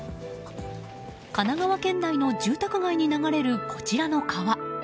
神奈川県内の住宅街を流れるこちらの川。